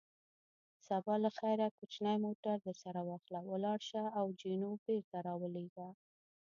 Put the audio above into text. سبا له خیره کوچنی موټر درسره واخله، ولاړ شه او جینو بېرته را ولېږه.